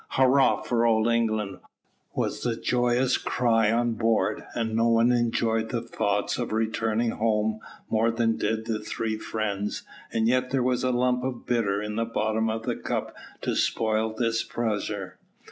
"Hurrah for old England!" was the joyous cry on board, and no one enjoyed the thoughts of returning home more than did the three friends, and yet there was a lump of bitter in the bottom of the cup to spoil this pleasure.